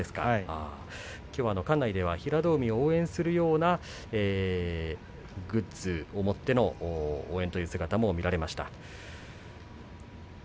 きょうは館内では平戸海を応援するようなグッズを持っての応援という姿も見られました。